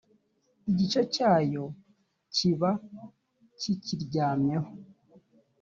igice cyayo kiba kikiryamyeho